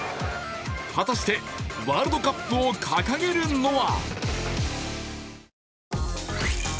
果たしてワールドカップを掲げるのは？